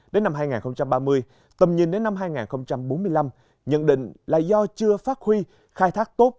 đến năm hai nghìn ba mươi tầm nhìn đến năm hai nghìn bốn mươi năm nhận định là do chưa phát huy khai thác tốt